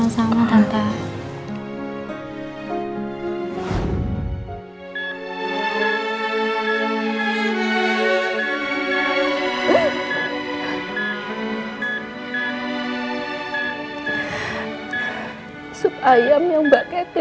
semua sama tante